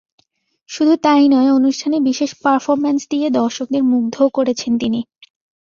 শুধু তা-ই নয়, অনুষ্ঠানে বিশেষ পারফরম্যান্স দিয়ে দর্শকদের মুগ্ধও করেছেন তিনি।